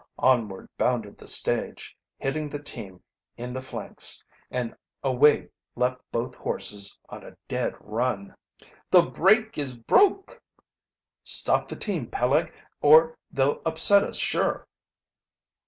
Onward bounded the stage, hitting the team in the flanks, and away leaped both horses on a dead run! "The brake is broke!" "Stop the team, Peleg, or they'll upset us sure!"